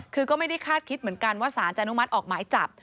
คือก็ไม่ได้คาดคิดเหมือนกันว่าสารจะอนุมัติออกหมายจับ